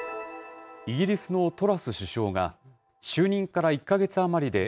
イギリスのトラス首相が、就任から１か月余りで、